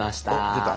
出た。